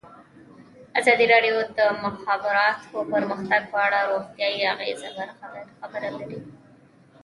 ازادي راډیو د د مخابراتو پرمختګ په اړه د روغتیایي اغېزو خبره کړې.